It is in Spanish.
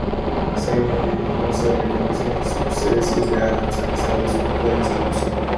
Se no se reconocen subespecies de Adams a pesar de su amplia distribución.